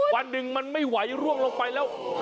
วันหนึ่งมันไม่ไหวร่วงลงไปแล้ว